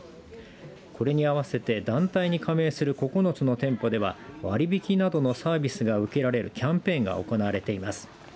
これに合わせて団体に加盟する９つの店舗では割引などのサービスが受けられるキャンペーンが行われています。